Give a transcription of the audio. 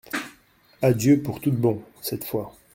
Adieu pour tout de bon, cette fois.